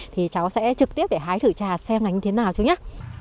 thì cháu sẽ trực tiếp để hái thử trà xem là như thế nào chú nhé